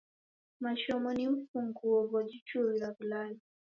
Mashomo ni mfunguo ghojichuria w'ulalo.